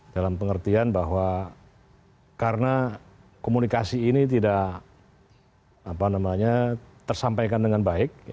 dalam pengertian bahwa karena komunikasi ini tidak tersampaikan dengan baik